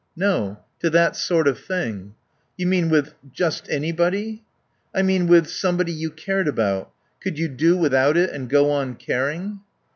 "No. To that sort of thing." "You mean with just anybody?" "I mean with somebody you cared about. Could you do without it and go on caring?"